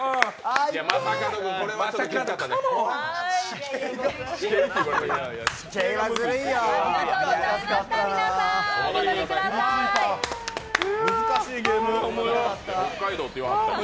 正門君、これはちょっときつかったね。